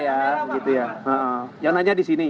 yang nanya di sini yang nanya di sini